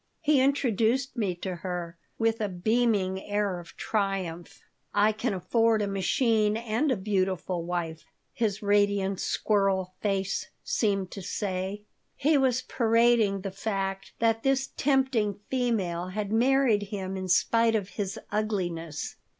He introduced me to her, with a beaming air of triumph. "I can afford a machine and a beautiful wife," his radiant squirrel face seemed to say. He was parading the fact that this tempting female had married him in spite of his ugliness.